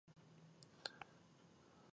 ددوی کارونه پخپل منځ کی په مشوره سره دی .